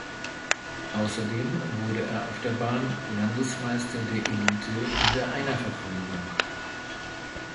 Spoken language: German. Außerdem wurde er auf der Bahn Landesmeister der Elite in der Einerverfolgung.